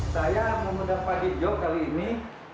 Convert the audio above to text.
saya memudah pak gijok kali ini